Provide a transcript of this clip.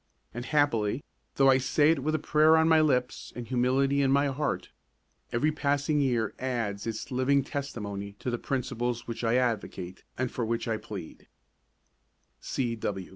And happily, though I say it with a prayer on my lips and humility in my heart, every passing year adds its living testimony to the principles which I advocate and for which I plead.